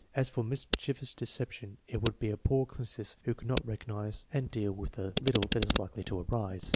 As for mischievous deception, it would be a poor clinicist who could not recognize and deal with the little that is likely to arise.